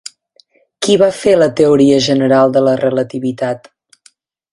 Qui va fer la teoria general de la relativitat?